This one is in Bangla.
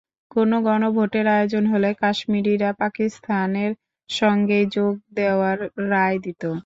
কোনো গণভোটের আয়োজন হলে কাশ্মীরিরা পাকিস্তানের সঙ্গেই যোগ দেওয়ার রায় দিত।